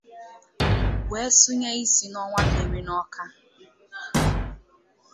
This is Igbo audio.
wee sụnye isi n'ọwà mmiri n'Awka